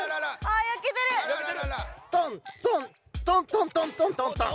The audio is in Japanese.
トントントントントントントントン。